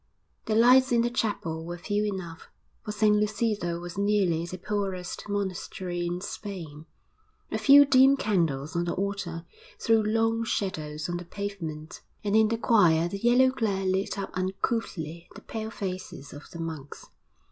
The lights in the chapel were few enough, for San Lucido was nearly the poorest monastery in Spain; a few dim candles on the altar threw long shadows on the pavement, and in the choir their yellow glare lit up uncouthly the pale faces of the monks.